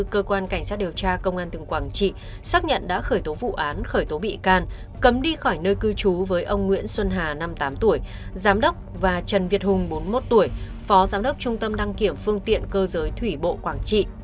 cơ quan cảnh sát điều tra công an tỉnh quảng trị xác nhận đã khởi tố vụ án khởi tố bị can cấm đi khỏi nơi cư trú với ông nguyễn xuân hà năm mươi tám tuổi giám đốc và trần việt hùng bốn mươi một tuổi phó giám đốc trung tâm đăng kiểm phương tiện cơ giới thủy bộ quảng trị